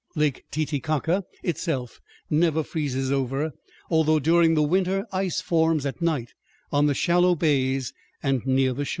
Lake Titicaca itself never freezes over, although during the winter ice forms at night on the shallow bays and near the shore.